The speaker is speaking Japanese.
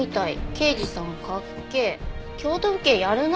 「刑事さんかっけえ」「京都府警やるな」。